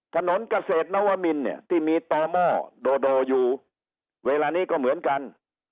ถนนเกษตรนวมินเนี่ยที่มีต่อหม้อโดโดอยู่เวลานี้ก็เหมือนกัน